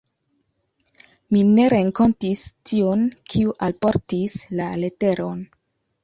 Mi ne renkontis tiun, kiu alportis la leteron.